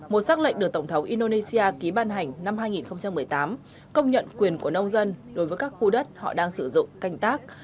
một xác lệnh được tổng thống indonesia ký ban hành năm hai nghìn một mươi tám công nhận quyền của nông dân đối với các khu đất họ đang sử dụng canh tác